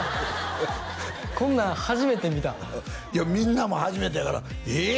こんなん初めて見たみんなも初めてやからえー！